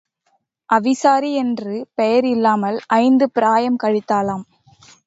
அவிசாரி என்று பெயர் இல்லாமல் ஐந்து பிராயம் கழித்தாளாம்.